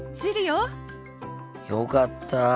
よかった。